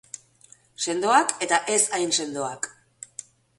Sendoak eta ez hain sendoak.